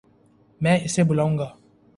میں اسے بلاوں گا